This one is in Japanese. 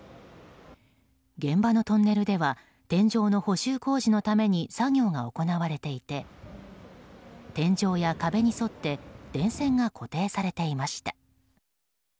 現場のトンネルでは天井の補修工事のために作業が行われていて天井や壁に沿って電線が固定されていました。